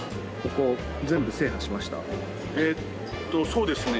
えっとそうですね。